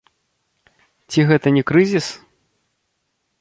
Ці гэта не крызіс?